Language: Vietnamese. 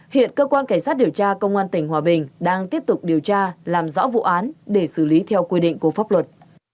hiện cơ quan cảnh sát điều tra công an tỉnh hòa bình đang tiếp tục điều tra làm rõ vụ án để xử lý theo quy định của pháp luật